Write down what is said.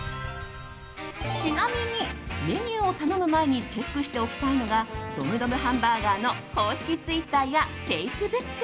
ちなみに、メニューを頼む前にチェックしておきたいのがドムドムハンバーガーの公式ツイッターやフェイスブック。